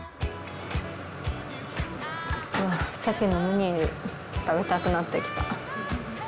鮭のムニエル食べたくなってきた。